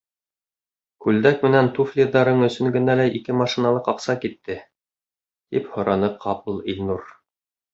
Күлдәк менән туфлиҙарың өсөн генә лә ике машиналыҡ аҡса китте. — тип һораны ҡапыл Илнур.